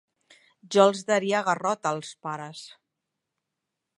Jo els daria garrot a els pares.